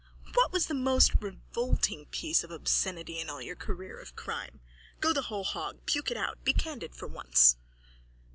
What was the most revolting piece of obscenity in all your career of crime? Go the whole hog. Puke it out! Be candid for once.